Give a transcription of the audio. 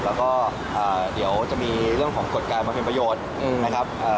แล้วก็เดี๋ยวจะมีเรื่องของกฎการมาเป็นประโยชน์นะครับ